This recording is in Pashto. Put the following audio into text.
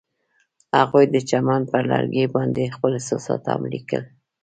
هغوی د چمن پر لرګي باندې خپل احساسات هم لیکل.